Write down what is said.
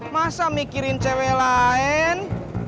masa mikirin cewek lain